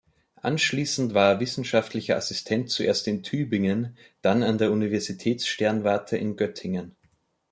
Anschließend war er wissenschaftlicher Assistent zuerst in Tübingen, dann an der Universitätssternwarte in Göttingen.